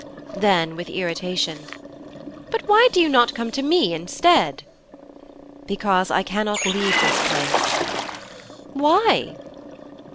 Then with irritation: 'But why do you not come to me instead?' 'Because I cannot leave this place.' 'Why?'